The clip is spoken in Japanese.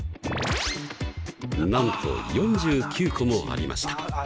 なんと４９個もありました。